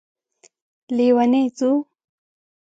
لیونی ځو